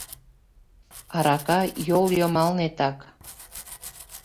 Арака йолйымалнетак».